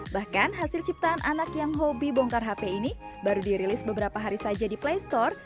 bahkan hasil ciptaan anak yang hobi bongkar hp ini baru dirilis beberapa hari saja di play store